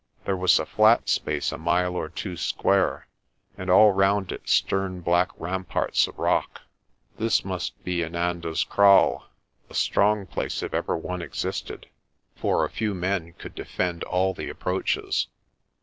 There was a flat space a mile or two square, and all round it stern black ramparts of rock. This must be Inanda's Kraal, a strong place if ever one existed, for a few men could defend all the approaches.